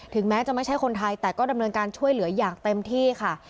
แม้จะไม่ใช่คนไทยแต่ก็ดำเนินการช่วยเหลืออย่างเต็มที่ค่ะ